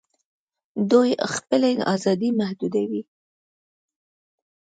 دوی خپلي آزادۍ محدودوي